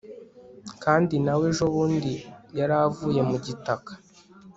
kandi na we ejo bundi yaravuye mu gitaka